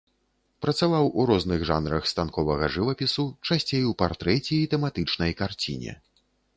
Працаваў у розных жанрах станковага жывапісу, часцей у партрэце і тэматычнай карціне.